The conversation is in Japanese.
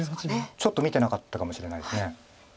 ちょっと見てなかったかもしれないです。